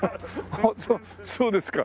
そうですか。